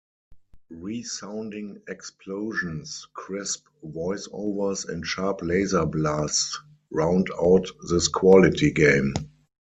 Resounding explosions, crisp voice-overs, and sharp laser blasts round out this quality game.